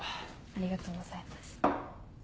ありがとうございます。